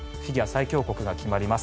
最強国が決まります